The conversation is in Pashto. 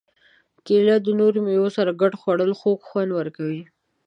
کېله د نورو مېوو سره ګډه خوړل خوږ خوند ورکوي.